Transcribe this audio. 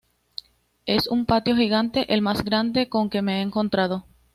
Es un pato gigante, el más grande con que me he encontrado.